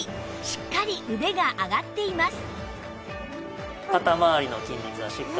しっかり腕が上がっています